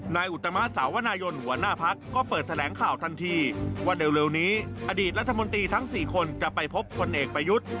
อุตมาสาวนายนหัวหน้าพักก็เปิดแถลงข่าวทันทีว่าเร็วนี้อดีตรัฐมนตรีทั้ง๔คนจะไปพบคนเอกประยุทธ์